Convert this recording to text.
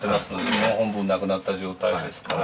４本分なくなった状態ですから。